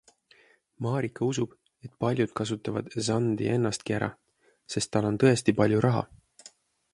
Maarika usub, et paljud kasutavad Zandi ennastki ära, sest tal on tõesti palju raha.